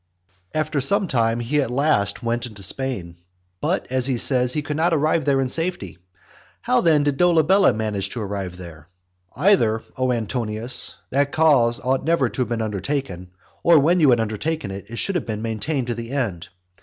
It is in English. XXX. After some time he at last went into Spain; but, as he says, he could not arrive there in safety. How then did Dolabella manage to arrive there? Either, O Antonius, that cause ought never to have been undertaken, or when you had undertaken it, it should have been maintained to the end.